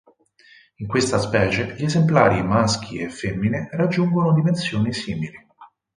In questa specie gli esemplari maschi e femmine raggiungono dimensioni simili.